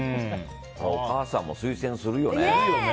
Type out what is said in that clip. お母さんも推薦するよね。